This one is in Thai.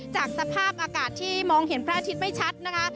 จากสภาพอากาศที่มองเห็นพระอาทิตย์ไม่ชัดนะคะ